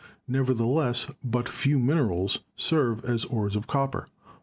Nevertheless, but few minerals serve as ores •of copper.